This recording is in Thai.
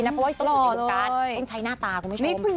เพราะว่าอีกโฟกัสต้องใช้หน้าตาคุณผู้ชม